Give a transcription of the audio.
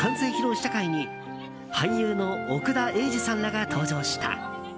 試写会に俳優の奥田瑛二さんらが登場した。